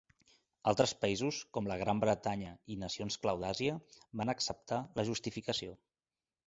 Altres països, com la Gran Bretanya i nacions clau d'Àsia, van acceptar la justificació.